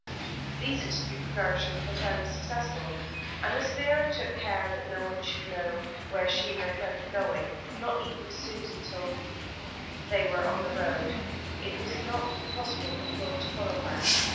These excursions were fairly successful, and as Vera took care that no one should know where she and her friend were going not even Susan herself till they were on the road it was not possible for Claude to follow her.